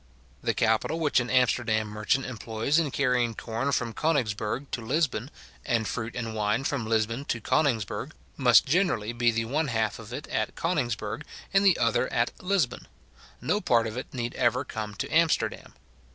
The capital which an Amsterdam merchant employs in carrying corn from Koningsberg to Lisbon, and fruit and wine from Lisbon to Koningsberg, must generally be the one half of it at Koningsberg, and the other half at Lisbon. No part of it need ever come to Amsterdam.